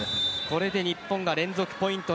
これで日本が連続ポイント。